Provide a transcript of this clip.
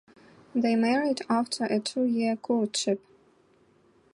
They married after a two-year courtship.